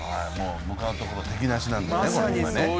向かうところ敵なしだよね今ね。